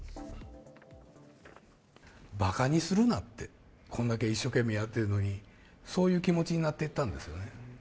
ばかにするなって、こんだけ一生懸命やってるのに、そういう気持ちになっていったんですよね。